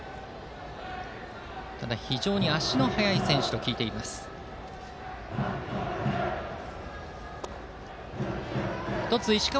非常に足の速い選手と聞いています、下川。